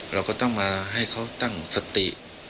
เราก็ต้องมาให้เขาตั้งสติ